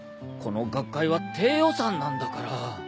この学会は低予算なんだから。